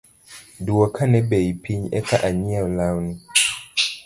Duokane bei piny eka anyiew lawni